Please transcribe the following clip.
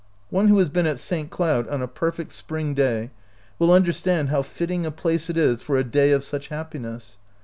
One who has been at St. Cloud on a perfect spring day will understand how fitting a place it is for a day of such happiness.